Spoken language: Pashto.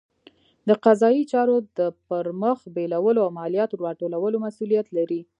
د قضایي چارو د پرمخ بیولو او مالیاتو راټولولو مسوولیت لري.